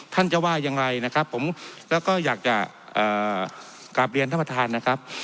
ท่านจะว่าอย่างไรนะครับผมแล้วก็อยากจะกลับเรียนท่านประธานนะครับ